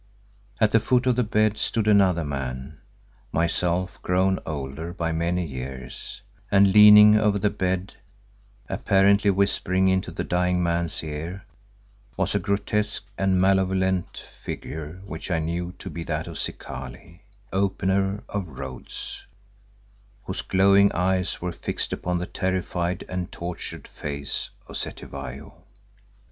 At the foot of the bed stood another man—myself grown older by many years, and leaning over the bed, apparently whispering into the dying man's ear, was a grotesque and malevolent figure which I knew to be that of Zikali, Opener of Roads, whose glowing eyes were fixed upon the terrified and tortured face of Cetywayo.